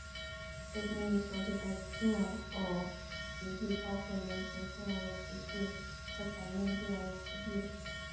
这定义所指的电偶极矩包括永久电偶极矩和感应电偶极矩。